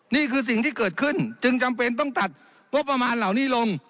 นี่คือสิ่งที่เกิดขึ้นจึงจำเป็นต้องตัดงบประมาณเหล่านี้ลง